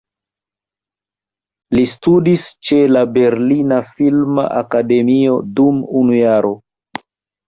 Li studis ĉe la "Berlina Filma Akademio" dum unu jaro.